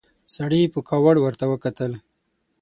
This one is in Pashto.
سړي په کاوړ ورته وکتل.